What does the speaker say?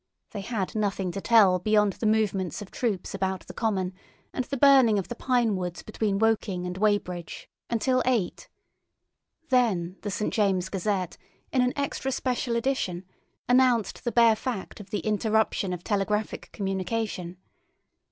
They had nothing to tell beyond the movements of troops about the common, and the burning of the pine woods between Woking and Weybridge, until eight. Then the St. James's Gazette, in an extra special edition, announced the bare fact of the interruption of telegraphic communication.